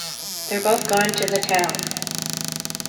They’re both gone to the town.